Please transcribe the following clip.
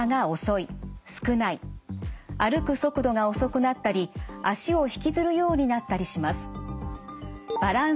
歩く速度が遅くなったり足を引きずるようになったりします。